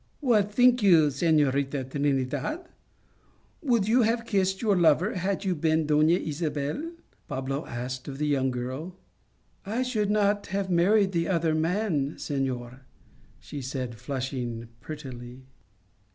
" What think you, Senorita Trinidad, would you have kissed your lover had you been Dona Isabel ?" asked Pablo of the young girl. " I should not have married the other man, senor," she said, flushing prettily.